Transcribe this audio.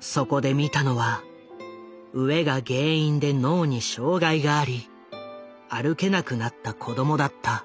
そこで見たのは飢えが原因で脳に障害があり歩けなくなった子供だった。